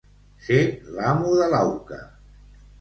Ser l'amo de l'auca.